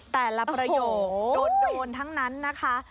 แต่ละประโยชน์โดนทั้งนั้นนะคะ